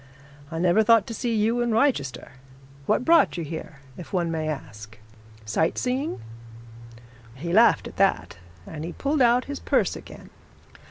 'I never thought to see you in Wrychester. What brought you here, if one may ask sight seeing?' He laughed at that, and he pulled out his purse again.